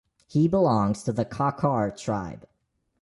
He belongs to the Kakar tribe.